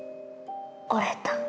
折れた。